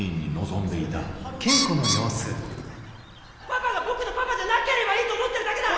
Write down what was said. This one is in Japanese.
パパは僕のパパじゃなければいいと思ってるだけだ！